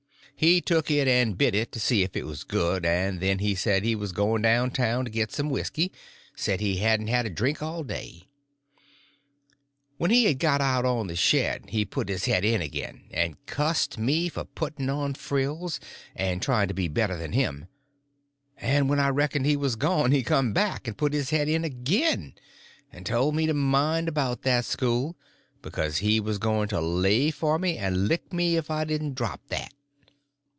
He took it and bit it to see if it was good, and then he said he was going down town to get some whisky; said he hadn't had a drink all day. When he had got out on the shed he put his head in again, and cussed me for putting on frills and trying to be better than him; and when I reckoned he was gone he come back and put his head in again, and told me to mind about that school, because he was going to lay for me and lick me if I didn't drop that.